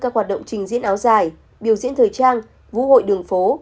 các hoạt động trình diễn áo dài biểu diễn thời trang vũ hội đường phố